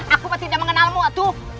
aku tidak mengenalmu atuh